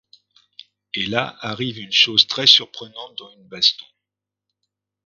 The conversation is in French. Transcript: Et là arrive une chose très surprenante dans une baston.